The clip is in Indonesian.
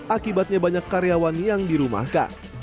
akibatnya banyak karyawan yang dirumahkan